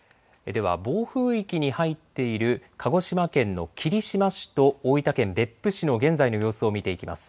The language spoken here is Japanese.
では暴風域に入っている鹿児島県の霧島市と大分県別府市の現在の様子を見ていきます。